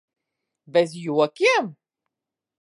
Bez jokiem?